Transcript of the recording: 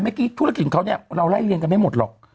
ธุรกิจของเขาเนี่ยเราไล่เรียงกันไม่หมดหรอก